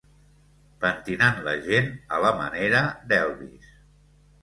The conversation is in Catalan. Pentinant la gent a la manera d'Elvis.